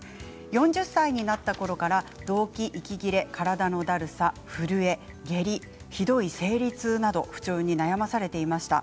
４０歳になったころからどうき、息切れ、体のだるさ震え、下痢、ひどい生理痛など不調に悩まされていました。